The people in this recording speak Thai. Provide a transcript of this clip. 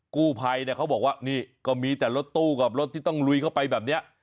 กู้ภัยเนี่ยเขาบอกว่านี่ก็มีแต่รถตู้กับรถที่ต้องลุยเข้าไปแบบนี้